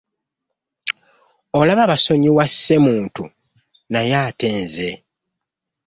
Olaba basonyiwa asse muntu naye ate nze.